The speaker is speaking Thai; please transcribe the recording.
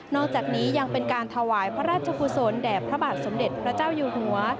อกจากนี้ยังเป็นการถวายพระราชกุศลแด่พระบาทสมเด็จพระเจ้าอยู่หัว